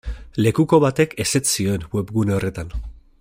Lekuko batek ezetz zioen webgune horretan.